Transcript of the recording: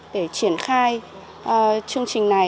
để triển khai chương trình này